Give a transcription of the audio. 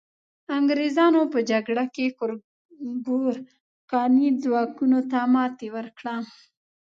انګریزانو په جګړه کې ګورکاني ځواکونو ته ماتي ورکړه.